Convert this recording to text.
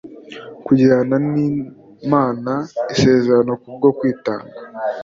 kugirana nImana isezerano kubwo kwitanga